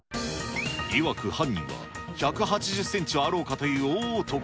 いわく犯人は、１８０センチはあろうかという大男。